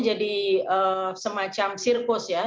jadi semacam sirkus ya